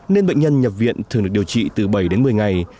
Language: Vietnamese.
nên bệnh nhân nhập viện thường được điều trị từ bảy đến một mươi ngày